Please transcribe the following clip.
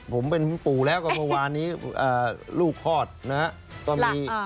ผมเป็นปู่แล้วก็เมื่อวานนี้ลูกคลอดนะฮะก็มี